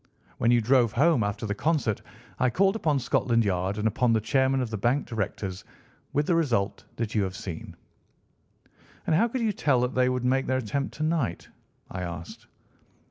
When you drove home after the concert I called upon Scotland Yard and upon the chairman of the bank directors, with the result that you have seen." "And how could you tell that they would make their attempt to night?" I asked.